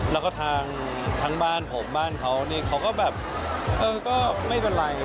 แล้วก็ทางบ้านผมบ้านเขาเนี่ยเขาก็แบบเออก็ไม่เป็นไร